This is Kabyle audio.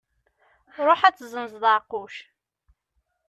Ruḥ ad tezzenzeḍ aɛeqquc.